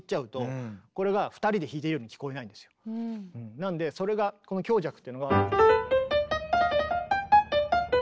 なのでそれがこの強弱っていうのが。